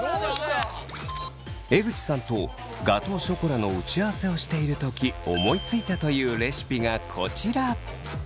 江口さんとガトーショコラの打ち合わせをしている時思いついたというレシピがこちら。